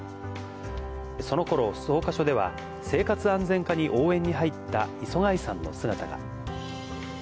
そのころ、草加署では、生活安全課に応援に入った磯貝さんの姿が。